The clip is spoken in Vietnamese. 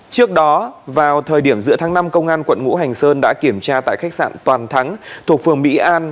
trước đó vào thời điểm giữa tháng năm công an quận ngũ hành sơn đã kiểm tra tại khách sạn toàn thắng thuộc phường mỹ an